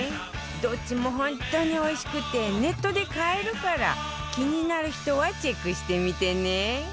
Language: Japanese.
どっちも本当においしくてネットで買えるから気になる人はチェックしてみてね